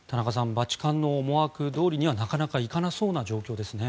バチカンの思惑どおりにはなかなかいかなそうな状況ですね。